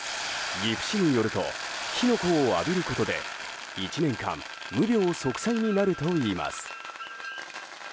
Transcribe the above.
岐阜市によると火の粉を浴びることで１年間無病息災になるといいます。